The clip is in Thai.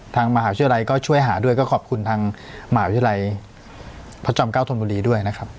ทางมหาวิทยาลัยก็ช่วยหาด้วยก็ขอบคุณทางมหาวิทยาลัยพระจอมเก้าธนบุรีด้วยนะครับ